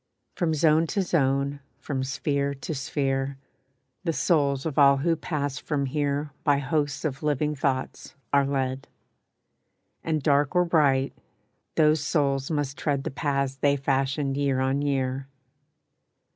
From zone to zone, from sphere to sphere, The souls of all who pass from here By hosts of living thoughts are led; And dark or bright, those souls must tread The paths they fashioned year on year.